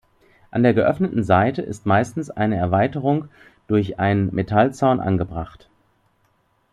An der geöffneten Seite ist meistens eine Erweiterung durch einen Metallzaun angebracht.